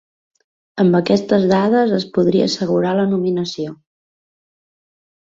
Amb aquestes dades es podria assegurar la nominació.